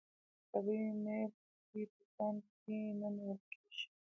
طبیعي میل پکې په پام کې نه نیول کیږي.